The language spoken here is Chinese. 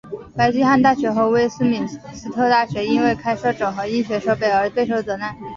白金汉大学和威斯敏斯特大学因为开设整合医学课程而备受责难。